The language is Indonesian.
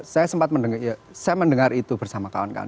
saya sempat mendengar itu bersama kawan kawan